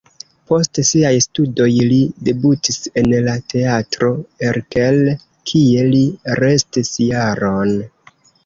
Post siaj studoj li debutis en la Teatro Erkel, kie li restis jaron.